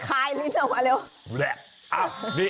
คลายลิ้นออกมาเร็ว